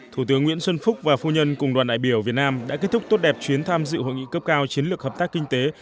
thủ tướng nguyễn xuân phúc và phu nhân cùng đoàn đại biểu việt nam đã kết thúc tốt đẹp chuyến tham dự hội nghị cấp cao chiến lược hợp tác kinh tế